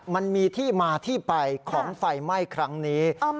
มันมีที่มาที่ไปของไฟไหม้ครั้งนี้